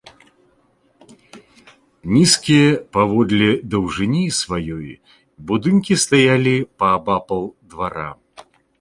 Нізкія, паводле даўжыні сваёй, будынкі стаялі паабапал двара.